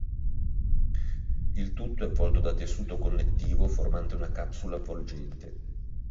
Il tutto è avvolto da tessuto connettivo formante una capsula avvolgente.